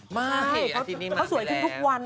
ไม่เขาสวยขึ้นทุกวัน